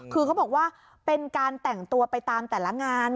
คือเขาบอกว่าเป็นการแต่งตัวไปตามแต่ละงาน